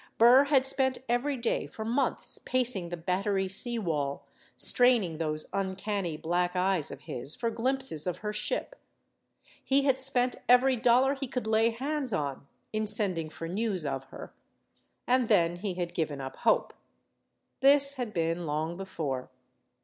Burr had spent every day for months pacing the Battery sea wall, straining those uncanny black eyes of his for glimpses of her ship. He had spent every dollar he could lay hands on in sending for news of her. And then he had given up hope. This had been long before.